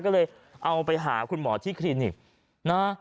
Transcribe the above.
ก็เลยเอาไปหาคุณหมอที่คลินิกนะ